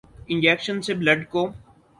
injection سے blood کو